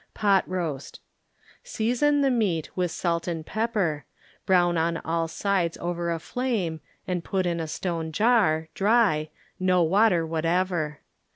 Pot Roast Season the meat with salt and pepper, brown on all sides over a flame, and put in a stone jar, dry, no water whatever.